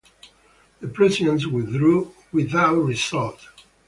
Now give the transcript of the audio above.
The Prussians withdrew without result.